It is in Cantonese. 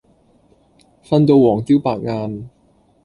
瞓到黃朝百晏